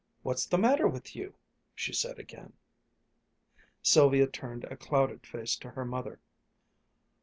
"What's the matter with you?" she said again. Sylvia turned a clouded face to her mother.